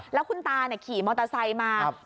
แล้วคุณตาเนี่ยขี่มอเตอร์ไซค์มาครับ